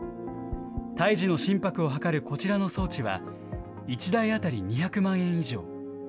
胎児の心拍を測るこちらの装置は、１台当たり２００万円以上。